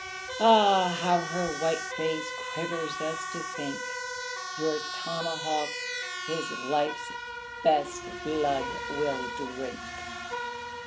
Ah, how her white face quivers thus to think, Your tomahawk his life's best blood will drink.